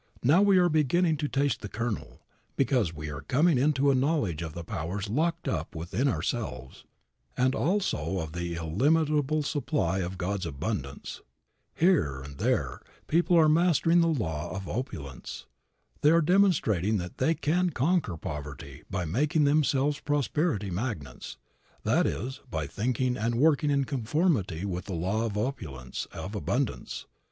Now we are beginning to taste the kernel, because we are coming into a knowledge of the powers locked up within ourselves, and also of the illimitable supply of God's abundance. Here and there, people are mastering the law of opulence. They are demonstrating that they can conquer poverty by making themselves prosperity magnets; that is, by thinking and working in conformity with the law of opulence, of abundance.